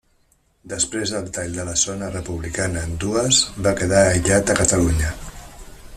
Després del tall de la zona republicana en dues va quedar aïllat a Catalunya.